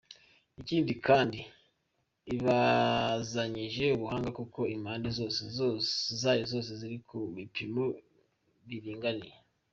Ikindi kandi, ibazanyije ubuhanga kuko impande zayo zose ziri ku bipimo biringaniye.